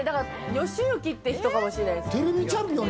禎晋って人かもしれないです。